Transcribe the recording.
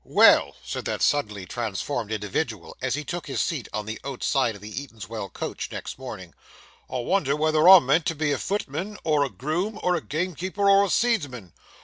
'Well,' said that suddenly transformed individual, as he took his seat on the outside of the Eatanswill coach next morning; 'I wonder whether I'm meant to be a footman, or a groom, or a gamekeeper, or a seedsman.